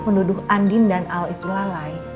menuduh andin dan al itu lalai